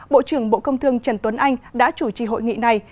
bộ trưởng bộ công thương trần tuấn anh đã chủ trì hội nghị này